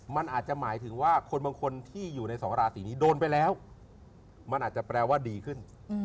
มันอาจจะหมายถึงว่าคนบางคนที่อยู่ในสองราศีนี้โดนไปแล้วมันอาจจะแปลว่าดีขึ้น